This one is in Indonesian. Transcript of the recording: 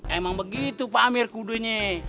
emang begitu pak amir kudenya